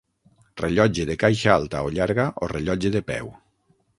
Rellotge de caixa alta o llarga o rellotge de peu.